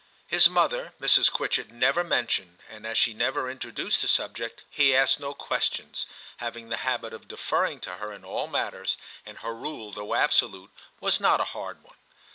His mother, Mrs. Quitchett never mentioned, and as she never introduced the subject, he asked no questions, having the habit of deferring to her in all matters, and her rule, though absolute, was not a hard one.